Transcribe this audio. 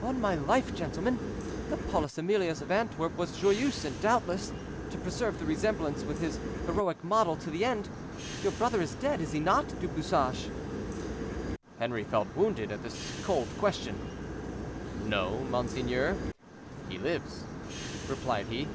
"On my life, gentlemen, the Paulus Emilius of Antwerp was Joyeuse; and doubtless, to preserve the resemblance with his heroic model to the end, your brother is dead, is he not, Du Bouchage?" Henri felt wounded at this cold question. "No, monseigneur, he lives," replied he.